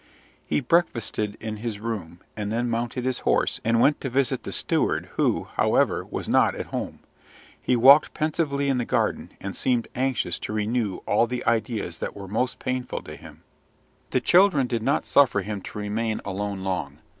He breakfasted in his room, and then mounted his horse, and went to visit the steward, who, however, was not at home. He walked pensively in the garden, and seemed anxious to renew all the ideas that were most painful to him. The children did not suffer him to remain alone long.